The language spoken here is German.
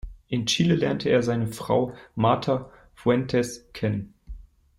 In Chile lernte er seine Frau Marta Fuentes kennen.